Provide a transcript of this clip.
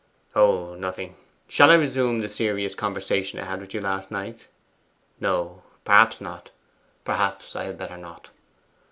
'Oh, nothing. Shall I resume the serious conversation I had with you last night? No, perhaps not; perhaps I had better not.